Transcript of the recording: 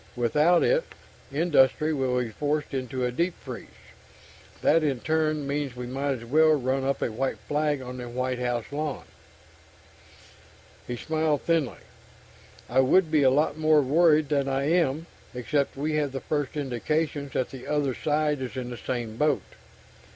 Without it, industry will be forced into a deep freeze. That in turn means we might as well run up a white flag on the White House lawn." He smiled thinly. "I would be a lot more worried than I am except we have the first indications that the other side is in the same boat.